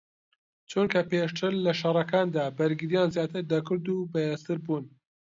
چونکە پێشتر لە شەڕەکاندا بەرگریان زیاتر دەکرد و بەهێزتر بوون